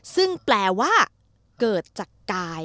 ซึ่งแปลว่าเกิดจากกาย